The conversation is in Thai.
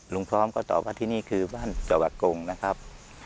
พร้อมก็ตอบว่าที่นี่คือบ้านสวะกงนะครับ